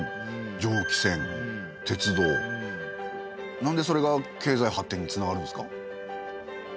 なんでそれが経済発展につながるんですか？